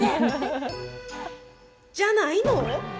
じゃないの。